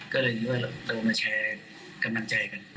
ก็เลยนึกว่าเรามาแชร์กำลังใจกัน